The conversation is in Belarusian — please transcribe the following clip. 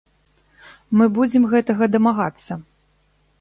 Мы будзем гэтага дамагацца.